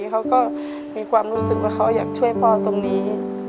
เขาก็มีความรู้สึกว่าเขาอยากช่วยพ่อตรงนี้